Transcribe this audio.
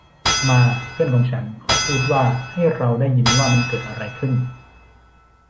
มา เพื่อนของฉัน เขาพูดว่า ให้เราได้ยินว่ามันเกิดอะไรขึ้น !